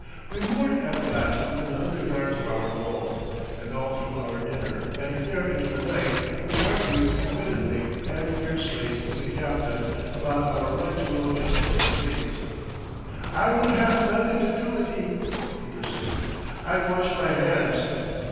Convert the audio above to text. We moored at last within a hundred yards of our goal, and all through our dinner and far into the night we argued intermittently and fiercely with the captain about our right to load just what we pleased. "I will haf nothing to do with eet," he persisted. "I wash my hands."